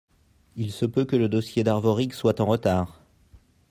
il se peut que le dossier d'Arvorig soir en retard.